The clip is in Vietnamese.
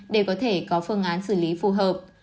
để có thể có phương án xử lý phù hợp